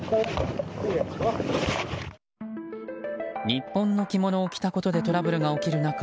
日本の着物を着たことでトラブルが起きる中